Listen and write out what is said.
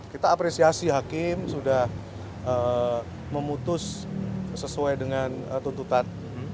kita apresiasi hakim sudah memutus sesuai dengan tuntutan